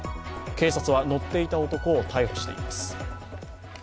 警察は乗っていた男を逮捕しています。